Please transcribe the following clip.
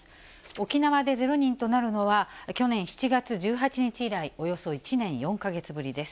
沖縄で０人となるのは、去年７月１８日以来およそ１年４か月ぶりです。